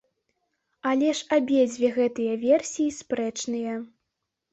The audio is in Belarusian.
Але ж абедзве гэтыя версіі спрэчныя.